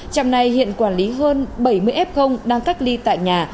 trạm này hiện quản lý hơn bảy mươi f đang cách ly tại nhà